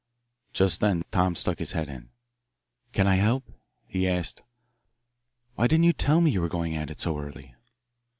Just then Tom stuck his head in. "Can I help?" he asked. "Why didn't you tell me you were going at it so early?"